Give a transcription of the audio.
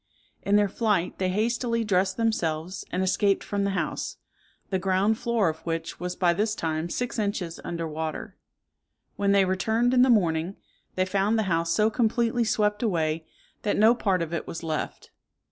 In their flight they hastily dressed themselves, and escaped from the house, the ground floor of which was by this time six inches under water. When they returned in the morning, they found the house so completely swept away, that no part of it was left.